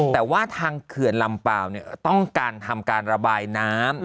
แต่ว่าทางเขื่อนลำเปล่าต้องการทำการระบายน้ำ